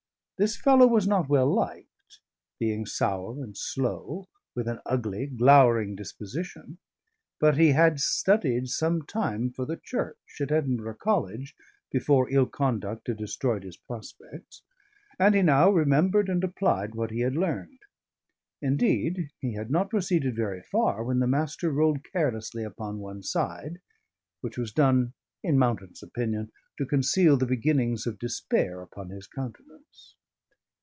This fellow was not well liked, being sour and slow, with an ugly, glowering disposition, but he had studied some time for the Church at Edinburgh College, before ill conduct had destroyed his prospects, and he now remembered and applied what he had learned. Indeed, he had not proceeded very far, when the Master rolled carelessly upon one side, which was done (in Mountain's opinion) to conceal the beginnings of despair upon his countenance.